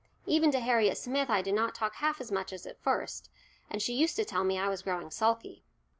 Even to Harriet Smith I did not talk half as much as at first, and she used to tell me I was growing sulky.